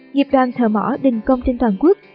nghiệp đoàn thờ mỏ đình công trên toàn quốc